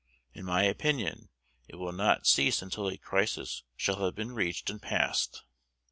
In my opinion, it will not cease until a crisis shall have been reached and passed.